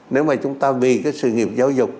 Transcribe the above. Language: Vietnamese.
nếu mà chúng ta vì cái sự nghiệp giáo dục